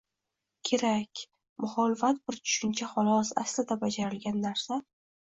kerak, “muxolifat” bir tushuncha, xolos, aslida, bajarilgan narsa